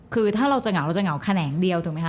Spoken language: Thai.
คือถ้าเราจะเหงาเราจะเหงาแค่แขนแหงเดียวเลยถูกมั้ยค่ะ